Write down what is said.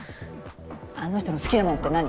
あの人の好きなもんって何？